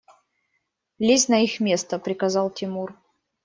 – Лезь на их место! – приказал Тимур.